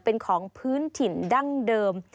เป็นของพื้นถิ่นดั้งเดิม